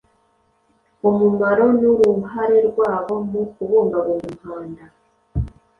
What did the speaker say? umumaro n’uruhare rwabo mu kubungabunga umuhanda